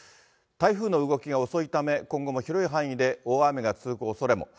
台風の動きが遅いため、今後も広い範囲で大雨が続くおそれも。